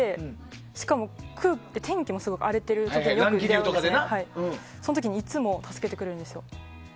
しかも、空って天気もすごい荒れていることがあるのでその時にいつも助けてくれるんですよ。